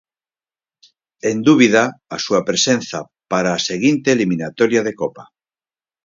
En dúbida a súa presenza para a seguinte eliminatoria de Copa.